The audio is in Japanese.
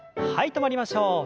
止まりましょう。